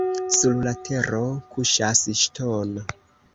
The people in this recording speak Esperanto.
Sur la tero kuŝas ŝtono.